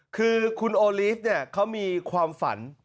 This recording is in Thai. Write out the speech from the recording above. คือคุณโอลีฟเนี่ยเขามีความฝัน